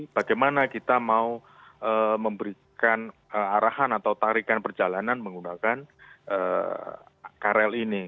bagaimana kita mau memberikan arahan atau tarikan perjalanan menggunakan krl ini